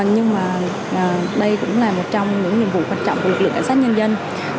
nhưng mà đây cũng là một trong những nhiệm vụ quan trọng của lực lượng cảnh sát nhân dân